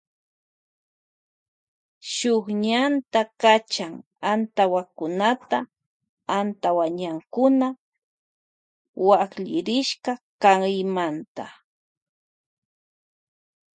Shun ñanta kachan antawakunata antawañankuna waklirishka kaymanta.